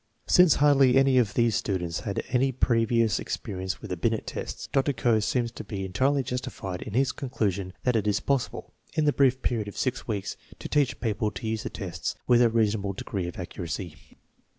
Since hardly any of these students had had any previous experience with the Binet tests, Dr. Kohs seems to be en tirely justified in his conclusion ,that it is possible, in the RELIABILITY OF THE METHOD 109 brief period of six weeks, to teach people to use the tests with, a reasonable degree of accuracy.